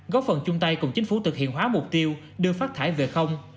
góp phần chung tay cùng chính phủ thực hiện hóa mục tiêu đưa phát thải về không